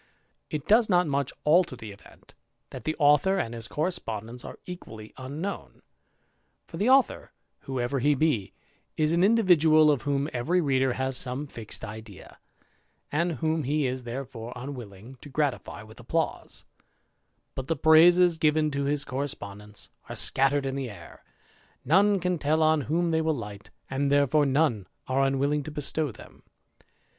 It does not much alter the event, that the author and his correspondents are equally unknown ; for the author, whoever he be, is an individual of whom every reader has some fixed idea, andj whom he is therefore unwilling to gratify with applause ; balfl the praises given to his correspondents are scattered in tha air, none can tell on whom they will light, and therefore none are unwilling to bestow them.